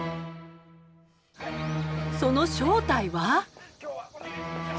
その正体は？